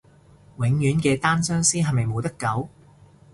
永遠嘅單相思係咪冇得救？